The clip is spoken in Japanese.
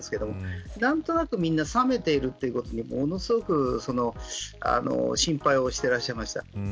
何となく冷めていることにものすごく心配をしていらっしゃいました。